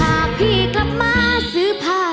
นะพี่อยากมีเสื้อใหม่